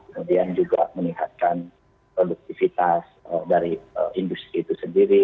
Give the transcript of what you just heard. kemudian juga meningkatkan produktivitas dari industri itu sendiri